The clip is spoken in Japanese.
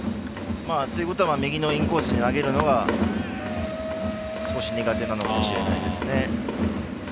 右のインコースに投げるのが苦手なのかもしれないですね。